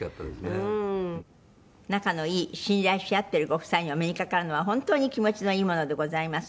黒柳：仲のいい、信頼し合ってるご夫妻にお目にかかるのは本当に気持ちのいいものでございます。